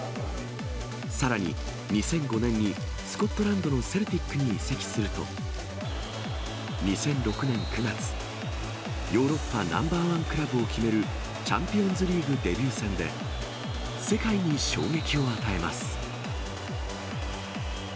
さらに、２００５年にスコットランドのセルティックに移籍すると、２００６年９月、ヨーロッパナンバー１クラブを決めるチャンピオンズリーグデビュー戦で、世界に衝撃を与えます。